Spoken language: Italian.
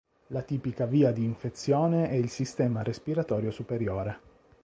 La tipica via di infezione è il sistema respiratorio superiore.